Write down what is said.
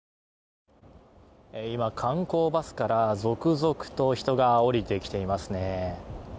今観光バスから続々と人が下りてきていますね。